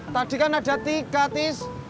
tadi kan ada tiga tis